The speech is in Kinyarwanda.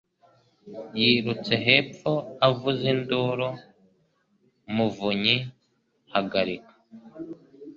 Yirutse hepfo avuza induru, Muvunyi, hagarika!